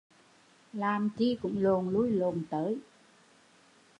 Làm chi cũng lộn lui lộn tới